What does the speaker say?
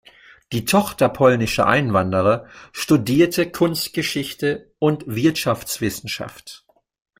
Die Tochter polnischer Einwanderer studierte Kunstgeschichte und Wirtschaftswissenschaft.